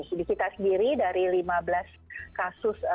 jadi kita sendiri dari lima belas kasus